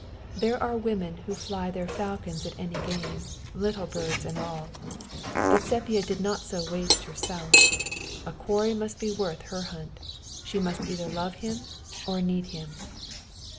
There are women who fly their falcons at any game, little birds and all; but Sepia did not so waste herself: her quarry must be worth her hunt: she must either love him or need him.